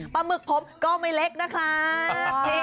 หมึกผมก็ไม่เล็กนะครับ